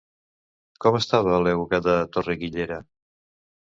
Com estava l'euga de Torre-guillera?